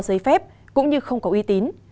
giấy phép cũng như không có uy tín